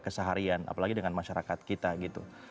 keseharian apalagi dengan masyarakat kita gitu